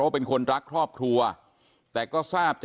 แม่โชคดีนะไม่ถึงตายนะ